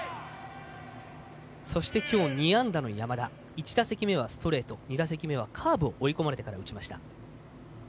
そしてきょう２安打の山田１打席目はストレート２打席目はカーブを追い込まれてから打ちました。